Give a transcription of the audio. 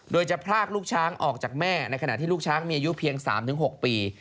โดยจะพรากลูกช้างออกจากแม่ในขณะที่ลูกช้างมีอายุเพียง๓๖ปี